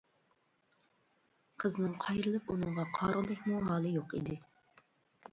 قىزنىڭ قايرىلىپ ئۇنىڭغا قارىغۇدەكمۇ ھاكى يوق ئىدى.